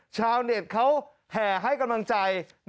ชาวเน็ตเขาแห่ให้กำลังใจ